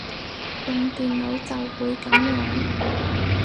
用電腦就會噉樣